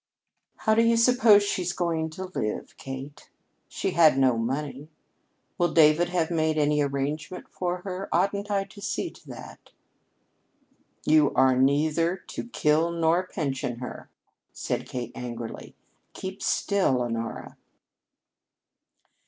"How do you suppose she's going to live, Kate? She had no money. Will David have made any arrangement for her? Oughtn't I to see to that?" "You are neither to kill nor pension her," said Kate angrily. "Keep still, Honora."